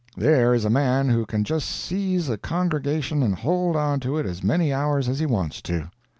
There is a man who can just seize a congregation and hold on to it as many hours as he wants to.